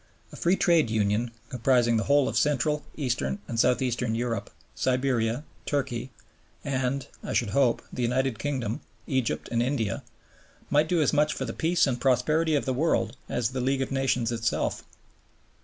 A Free Trade Union, comprising the whole of Central, Eastern, and South Eastern Europe, Siberia, Turkey, and (I should hope) the United Kingdom, Egypt, and India, might do as much for the peace and prosperity of the world as the League of Nations itself.